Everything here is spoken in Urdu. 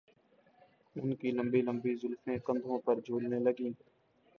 ان کی لمبی لمبی زلفیں کندھوں پر جھولنے لگیں